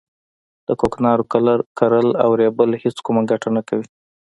د کوکنارو کرل او رېبل هیڅ کومه ګټه نه کوي